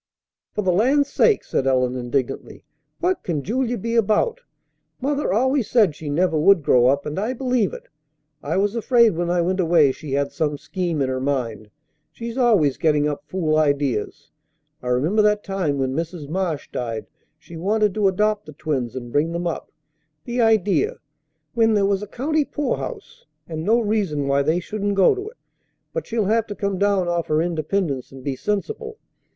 "For the land's sake!" said Ellen indignantly. "What can Julia be about? Mother always said she never would grow up, and I believe it. I was afraid when I went away she had some scheme in her mind. She's always getting up fool ideas. I remember that time when Mrs. Marsh died she wanted to adopt the twins and bring them up. The idea! When there was a county poorhouse and no reason why they shouldn't go to it! But she'll have to come down off her independence and be sensible.